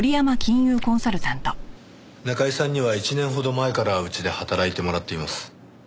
中井さんには１年ほど前からうちで働いてもらっています。